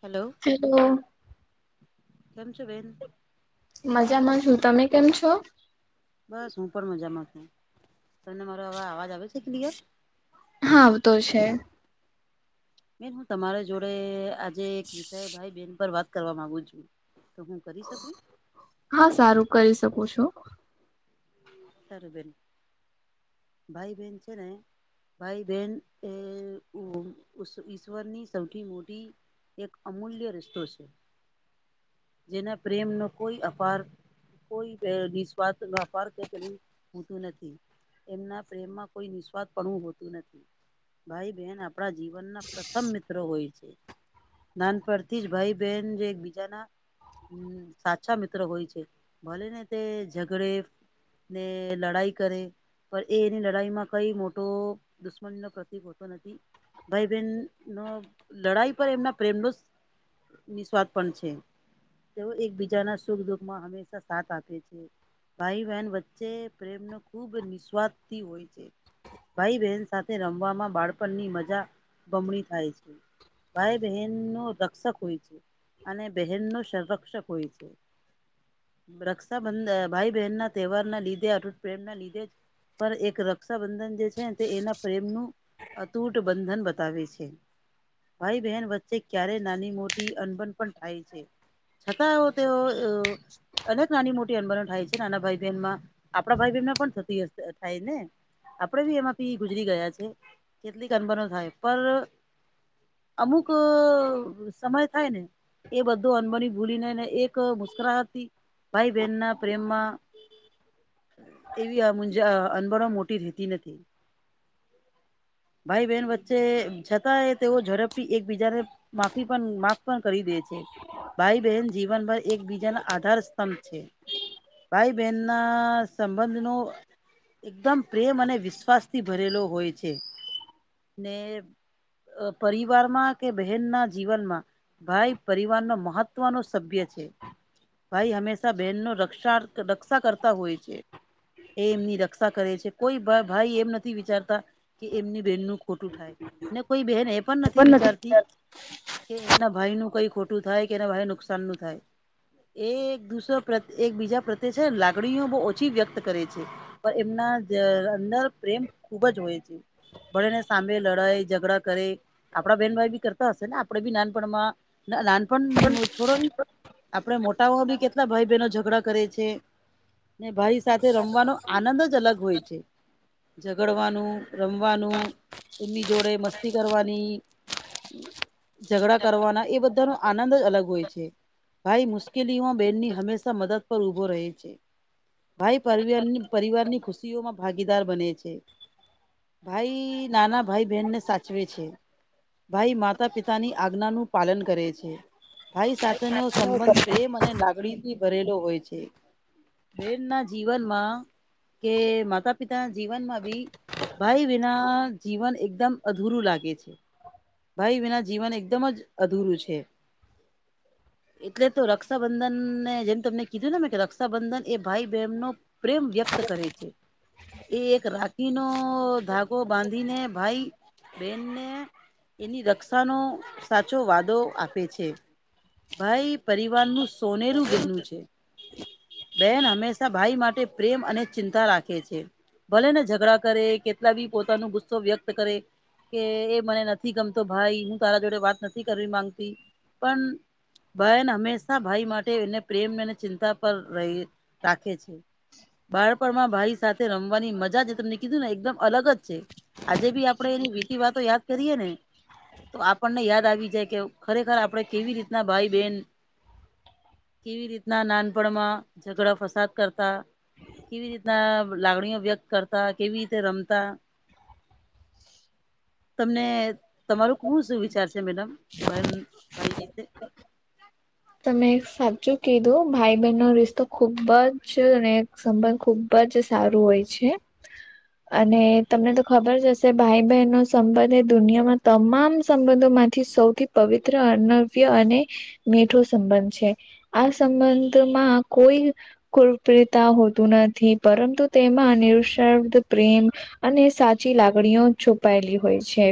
Hello hello કેમ છો બેન મજામાં છુ તમે કેમ છો બસ હું પણ મજામાં તમને મારો આવા અવાજ આવે છે ક્લિયર હા આવતો છે બેન હું તમારી જોડે આજે એક વિષય ભાઈ બેન પર વાત કરવા માગુ છું કરી શકું હા સારું કરી શકું છું સારું બેન ભાઈ બેન છે ને ભાઈ બેન અ ઈશ્વરની સૌથી મોટી એક અમૂલ્ય રીસ્તો છે જેના પ્રેમનો કોઈ અપાર કોઈ નિસ્વાર્થ ભાવ ફરક એ કદી હોતું નથી એમના પ્રેમમાં કોઈ નિસ્વાદ પણવું હોતું નથી ભાઈ બેન આપણા જીવનના પ્રથમ મિત્રો હોય છે નાનપરથી જ ભાઈ બહેન એકબીજાના હમ્મ સાચા મિત્ર હોય છે ભલે ને તે ઝઘડે ને લડાઈ કરે પણ એ એની લડાઈ માં કઈ મોટો દુશ્મન નો પ્રતિક હોતો નથી ભાઈ બેન નો લડાઈ પર એમના પ્રેમનો નિસ્વાથ પણ છે તેઓ એકબીજાના સુખ દુઃખ માં હંમેશા સાથ આપે છે ભાઈ ભાઈ બેન વચ્ચે પ્રેમ નો ખુબ નિરસ્વાર્થ થી હોય છે ભાઈ બહેન સાથે રમવામાં બાળપણની મજા બમણી થાય છે ભાઈ બહેન નો રક્ષક હોય છે અને બહેન નો સંરક્ષક હોય છે રક્ષાબંધન ભાઈ બહેન ના તહેવાર ના લીધે અટૂટ પ્રેમ ના લીધે પણ એક રક્ષાબંધન જે છે ને તે એના પ્રેમનું અતૂટ બંધન બતાવે છે ભાઈ બહેન વચ્ચે ક્યારે નાની મોટી અનબન પણ થાય છે છતાંઓ તેઓ અનેક નાની મોટી અનબણો થાય છે નાના ભાઈ બેનમાં આપડા ભાઈ બહેન માં પણ થતી હ થાય ને આપડે બી એમાં પી ગુજરી ગયા છે કેટલીક અનબનો થાય પર અમુક સમય થાય ને એ બધું અનબણી ભૂલીનેને એક મુસ્કરાતી ભાઈ બહેન ના પ્રેમમાં એવી આ મજ અનબણો મોટી રહેતી નથી. ભાઈ બહેન વચ્ચે છતાંય તેઓ ઝડપથી એકબીજાને માફી પણ માફ પણ કરી દે છે. ભાઈ બહેન જીવનભ એકબીજાના આધાર સ્તંભ છે. ભાઈ બહેનના સંબંધ નું એકદમ પ્રેમ અને વિશ્વાસ થી ભરેલો હોય છે. ને અહ પરિવારમાં કે બહેનના જીવનમાં ભાઈ પરિવાર નો મહત્વનો સભ્ય છે. ભાઈ હંમેશા બહેન નો રક્ષાર્થ રક્ષા કરતા હોય છે. એ એમની રક્ષા કરે છે. કોઈ ભ ભાઈ એમ નથી વિચારતા કે એમની બહેનનું ખોટું થાય, ને કોઈ બહેન એ પણ નથી વિચારતી કે એમના ભાઈ નું કંઈ ખોટું થાય, કે એના ભાઈ નુકસાન નું થાય. એ એક દૂસરો પ્રત એક બીજા પ્રત્યે છે ને લાગણીઓ બહુ ઓછી વ્યક્ત કરે છે. પણ એમના જ અંદર પ્રેમ ખુબ જ હોય છે. ભલેને સામે લડાઈ ઝઘડા કરે આપડા બહેન ભાઈ બી કરતા હશે ને, આપડે બી નાનપણમાં નાનપણ છોડો ને આપડે મોટાઓ બી કેટલા ભાઈ બહેનો ઝઘડા કરે છે, ને ભાઈ સાથે રમવાનો આનંદ જ અલગ હોય છે. ઝઘડવાનું, રમવાનું, એમની જોડે મસ્તી કરવાની ઝઘડા કરવાના એ બધા નો આનંદ જ અલગ હોય છે. ભાઈ મુશ્કેલીઓ બહેનની હંમેશા મદદ પર ઉભો રહે છે. ભાઈ પરવિયરની પરિવાર ની ખુશીઓમાં ભાગીદાર બને છે. ભાઈ નાના ભાઈ બહેન ને સાચવે છે. ભાઈ માતા પિતાની આજ્ઞા નું પાલન કરે છે. ભાઈ સાથેનો સંબંધ પ્રેમ અને લાગણીથી ભરેલો હોય છે. બહેન ના જીવનમાં, કે માતા-પિતાના જીવનમાં બી ભાઈ વિના જીવન એકદમ અધૂરું લાગે છે. ભાઈ વિના જીવન એકદમ જ અધૂરું છે. એટલે તો રક્ષાબંધન ને જેમ તમને કીધું ને મે કે રક્ષાબંધન એ ભાઈ બહેન નો પ્રેમ વ્યક્ત કરે છે. એ એક રાખી નો ધાગો બાંધીને ભાઈ બહેનને એની રક્ષાનો સાચો વાદો આપે છે. ભાઈ પરિવારનું સોનેરું ગહેનું છે. બહેન હંમેશા ભાઈ માટે પ્રેમ અને ચિંતા રાખે છે. ભલે ને ઝઘડા કરે, કેટલા બી પોતાનો ગુસ્સો વ્યક્ત કરે કે એ મને નથી ગમતો ભાઈ, હું તારા જોડે વાત નથી કર માંગતી, પન બહેન હંમેશા ભાઈ માટે એને પ્રેમ અને ચિંતા પર રહે રાખે છે. બાળપણ માં ભાઈ સાથે રમવાની મજા જ તમની કીધું ને એકદમ અલગ જ છે. આજે બી આપણે એની વીતી વાતો યાદ કરીએ ને તો આપણને યાદ આવી જાય કે ખરેખર આપણે કેવી રીતના ભાઈ બહેન કેવી રીતના નાનપણમાં ઝઘડા ફસાદ કરતા કેવી રીતના લાગણીઓ વ્યક્ત કરતા, કેવી રીતે રમતા તમને તમારું હું શું વિચાર છે મેડમ બન ભાઈ વિશે? તમે સાચું કીધું ભાઈ બહેન નો રિશ્તો ખુબ જ ને એક સંબંધ ખુબ બ જ સારું હોય છે. અને તમને તો ખબર જ હશે ભાઈ બહેન નો સંબંધ એ દુનિયામાં તમામ સંબંધો માંથી સૌથી પવિત્ર, અનવ્ય, અને મીઠું સંબંધ છે. આ સંબંધમાં કોઈ કુલપ્રિતા હોતું નથી, પરંતુ તેમાં નિઃશબ્દ પ્રેમ અને સાચી લાગણીઓ છુપાયેલી હોય છે.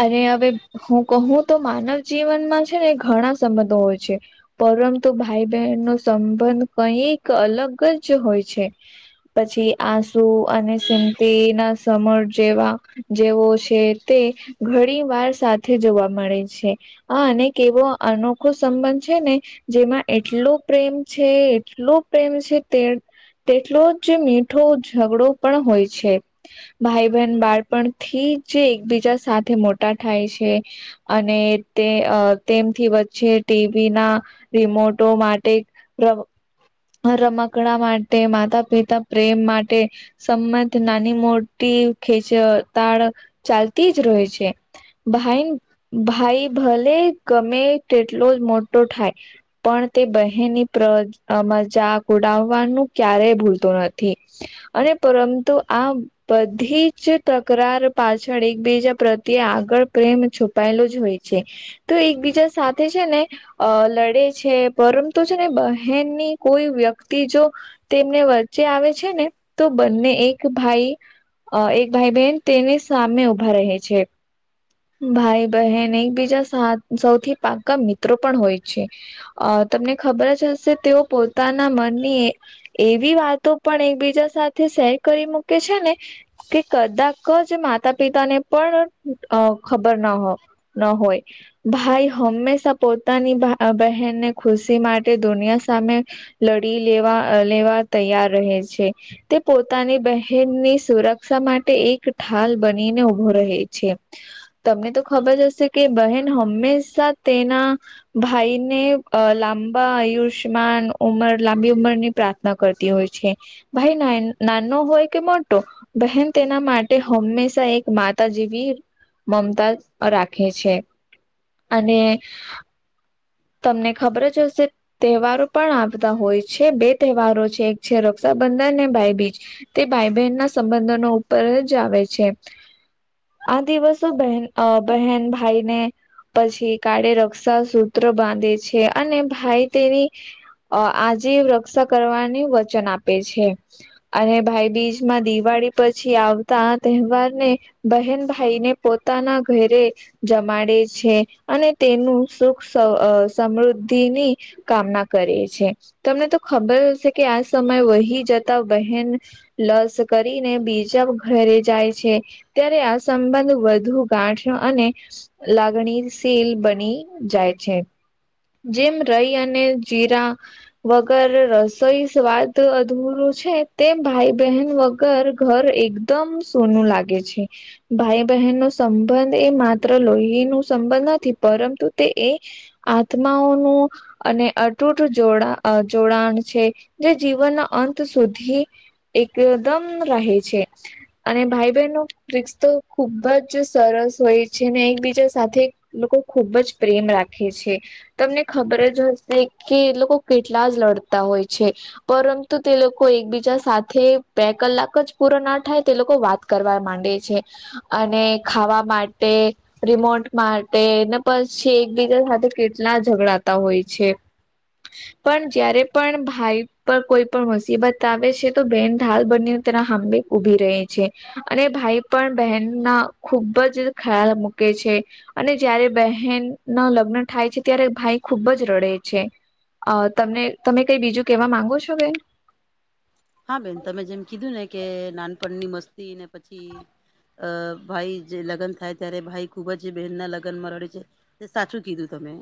અને હવે હું કહું તો માનવજીવનમાં છે ને ઘણા સંબંધો હોય છે. પરંતુ ભાઈ બહેન નો સંબંધ કંઈક અલગ જ હોય છે. પછી આંસુ અને સિમ્તી ના સમર જેવા જેવો છે તે ઘણી વાર સાથે જોવા મળે છે. આ અનેક એવો અનોખો સંબંધ છે ને. જેમાં એટલો પ્રેમ છે એટલો પ્રેમ છે તે. તેટલો જ મીઠો ઝઘડો પણ હોય છે. ભાઈ બહેન બાળપણથી જે એકબીજા સાથે મોટા થાય છે. અને તે અ તેમ. થી વચ્ચે ટીવીના રિમોટો માટે, રમ રમકડા માટે, માતા પિતા પ્રેમ માટે. સંમંધ નાની મોટી ખેચતાળ ચાલતી જ રહેય છે. ભાઈન ભાઈ ભલે ગમે તેટલો જ મોટો થાય. પણ તે બહેનની પ્રજ અ મજાક ઉડાવવાનું ક્યારેય ભૂલતો નથી. અને પરંમતું આમ. બધી જ તકરાર પાછળ એકબીજા પ્રત્યે આગળ પ્રેમ છુપાયેલો જ હોય છે. તો એકબીજા સાથે છે ને. અ લડે છે પરમતુ છે ને બહેનની કોઈ વ્યક્તિ જો તેમને વચ્ચે આવે છે ને તો બંને એક ભાઈ અ એક ભાઈ બહેન તેની સામે ઉભા રહે છે. ભાઈ બહેન એકબીજા સાથ સૌથી પાક્કા મિત્રો પણ હોય છે. અ તમને ખબર જ હશે તેઓ પોતાના મનની એવી વાતો પણ એકબીજા સાથે શેર કરી મૂકે છે ને. કે કદાક જ માતા પિતા ને પણ અ ખબર ના હો ન હોય. ભાઈ હંમેશા પોતાની બ બહેનને ખુશી માટે દુનિયા સામે લડી લેવા લેવા તૈયાર રહે છે. તે પોતાની બહેનની સુરક્ષા માટે એક ઢાલ બનીને ઉભો રહે છે. તમને તો ખબર જ હશે કે બહેન હંમેશા તેના ભાઈને લાંબા આયુષ્યમાન ઉંમર લાંબી ઉંમરની પ્રાર્થ ના કરતી હોય છે. ભાઈ નાન નાનો હોય કે મોટો બહેન તેના માટે હંમેશા એક માતા જેવી મમતા રાખે છે. અને તમને ખબર જ હશે તહેવારો પણ આવતા હોય છે. બે તહેવારો છે, એક છે રક્ષાબંધન ને ભાઈબીજ. તે ભાઈ બહેન ના સંબંધનો ઉપર જ આવે છે. આ દિવસો બહેન અહ બહેન ભાઈને પછી કાળે રક્ષા સૂત્ર બાંધે છે, અને ભાઈ તેની અહ આજીવ રક્ષા કરવાની વચન આપે છે. અને ભાઈબીજમાં દિવાળી પછી આવતા તહેવાર ને બહેન ભાઈને પોતાના ઘરે જમાડે છે, અને તેનું સુખ સ અહ સમૃદ્ધિની કામના કરે છે. તમને તો ખબર હશે કે આ સમયે વહી જતા બહેન લસ કરીને બીજા ઘરે જાય છે. ત્યારે આ સંબંધ વધુ ગાંઠ્યો અને લાગણીશીલ બની જાય છે જેમ રઈ અને જીરા વગર રસોઈ સ્વાદ અધૂરું છે, તેમ ભાઈ બહેન વગ ગર ઘર એકદમ સુનું લાગે છે. ભાઈ બહેન નો સંબંધ એ માત્ર લોહી નું સંબંધ નથી, પરંતુ તે એ આત્માઓનું અને અતૂટ જોડા જોડાણ છે જે જીવનના અંત સુધી એકદમ રહે છે અને ભાઈ બહેન નુ રિકસ તો ખુબ જ સરસ હોય છે ને એકબીજા સાથે લોકો ખુબ જ પ્રેમ રાખે છે તમને ખબર જ હશે કે લોકો કેટલા જ લડતા હોય છે. પરંતુ તે લોકો એકબીજા સાથે બે કલાક જ પૂરો ના થાય તે લોકો વાત કરવા માંડે છે અને ખાવા માટે, રિમોટ માટે, ને પછી બીજા સાથે કેટલા ઝઘડાતા હોય છે. [inaudible] પણ જયારે પણ ભાઈ પર કોઈ પણ મુસીબત આવે છે તો બેહેન ઢાલ બનીને તેના સાંભે ઉભી રહી છે અને ભાઈ પણ બહેનના ખુબ જ ખ્યાલ મૂકે છે. અને જય્યારે બહેન ના લગ્ન થાય છે, ત્યારે ભાઈ ખૂબ જ રડે છે. અ તમને તમે કઈ બીજું કેવા માંગો છો બેન? હા બેન તમે જેમ કીધું ને કે નાનપણની મસ્તી ને પછી અ ભાઈ જે લગ્ન થાય ત્યારે ભાઈ ખૂબ જ બહેનના લગ્નમાં રડે છે. સાચું કીધું તમે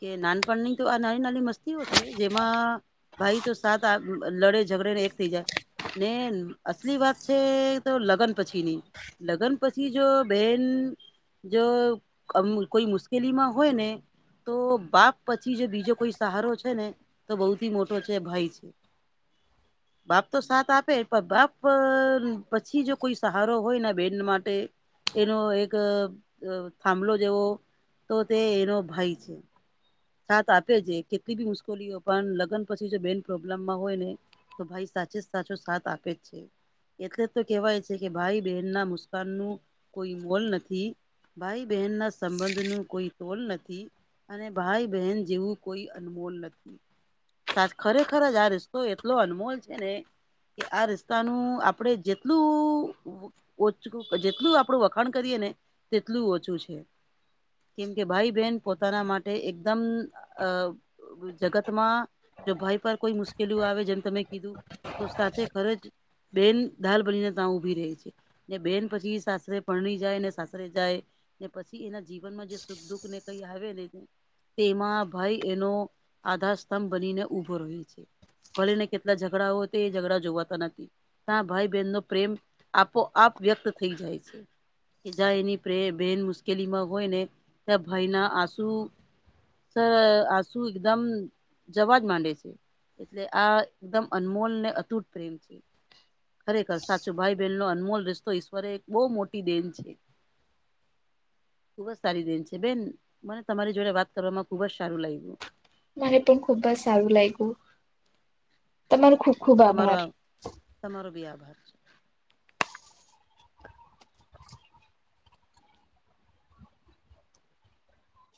કે નાનપણની તો આ નાની નાની મસ્તીઓ છે જેમાં ભાઈ તો સા આ લડે ઝગડે ને એક થઈ જાય ને અસલી વાત છે તો લગ્ન પછીની લગ્ન પછી જો બેન જો અમ કોઈ મુશ્કેલીમાં હોય ને તો બાપ પછી જે બીજો કોઈ સહારો છે ને તો બહુ થી મોટો છે ભાઈ છે બાપ તો સાથ આપે પણ બાપ પછી જો કોઈ સહારો હોય ને બેન માટે એનો એક થાંભલો જેવો તો તે એનો ભાઈ છે. સાથ આપે છે કેટલી બી મુશ્કેલીઓ પણ લગ્ન પછી જો બેન પ્રોબ્લેમમાં હોય ને તો ભાઈ સાચ જ સાચો સાથ આપે જ છે એટલે તો કેહેવાય છે કે ભાઈ બહેન ના મુસ્કાન નું કોઈ મોલ નથી ભાઈ બહેન ના સંબંધ નું કોઈ તોલ નથી અને ભાઈ બહેન જેવું કોઈ અનમોલ નથી. સા ખરેખર જ આ રિસ્તો એટલો અનમોલ છે ને કે આ રીસ્તાનું આપડે જેટલું ઓછું જેટલું આપડું વખાણ કરીએ ને તેટલું ઓછું છે. કેમ કે ભાઈ બહેન પોતાના માટે એકદમ અ જગતમાં જો ભાઈ પર કોઈ મુશ્કેલી આવે જેમ તમે કીધું તો સાચે ખરે જ બેન ઢાલ બનીને ત્યાં ઊભી રહે છે. બેન પછી સાસરે પરણી જાય ને સાસરે જાય ને પછી એના જીવનમાં જે સુખ દુઃખ ને કઈ આવે ને તેમાં ભાઈ એનો આધાર સ્તંભ બનીને ઉભો રહે છે. ભરીને કેટલા ઝઘડાઓ હતા એ ઝઘડા જોવાતા નથી તા ભાઈ બહેન નો પ્રેમ આપોઆપ વ્યક્ત થઈ જાય છે. કે જ્યાં એની પ્રે બેન મુશ્કેલીમાં હોય ને ત્યાં ભાઈના આસુ સર આસું એકદમ જવાજ માંડે છે. એટલે આ એકદમ અનમોલ ને અતૂટ પ્રેમ છે. કર સાચું ભાઈ બહેન નો અનમોલ રિસ્તો ઈશ્વરે એક બહુ મોટી દેન છે. ખુબજ સારી દેન છે બેન મને તમારી જોડે વાત કરવામાં ખુબજ સારું લાગ્યું. મને પણ ખુબ જ સારું લાગ્યું તમારું ખુબ ખુબ આભાર. તમારો આ તમારો બી આભાર છે.